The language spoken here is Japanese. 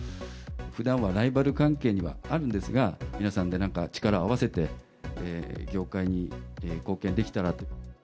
ふだんはライバル関係にはあるんですが、皆さんでなんか力を合わせて、業界に貢献できたらと。